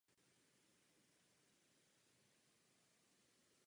Za budovou se nachází školní hřiště.